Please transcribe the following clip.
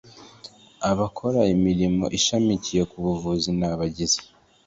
abakora imirimo ishamikiye ku buvuzi n abagize